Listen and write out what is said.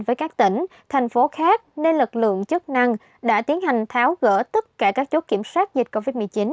với các tỉnh thành phố khác nên lực lượng chức năng đã tiến hành tháo gỡ tất cả các chốt kiểm soát dịch covid một mươi chín